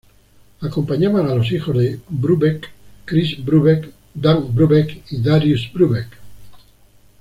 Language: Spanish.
Acompañaban a los hijos de Brubeck, Chris Brubeck, Dan Brubeck y Darius Brubeck.